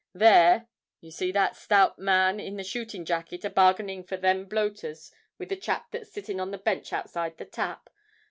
There—you see that stout man in the shooting jacket a bargaining for them bloaters with the chap that's sitting on the bench outside the Tap?